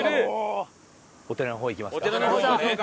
お寺の方行きましょうか。